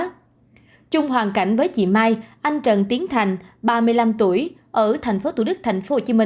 trung hoàn cảnh với chị mai anh trần tiến thành ba mươi năm tuổi ở tp tq tp hcm